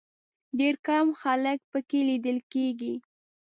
ډېر کم خلک په کې لیدل کېږي.